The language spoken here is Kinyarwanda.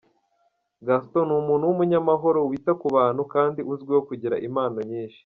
Gaston ni umuntu w’umunyamahoro, wita ku bantu, kandi uzwiho kugira impano nyinshi.